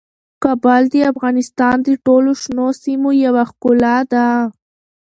کابل د افغانستان د ټولو شنو سیمو یوه ښکلا ده.